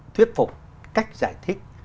thuyết phục cách giải thích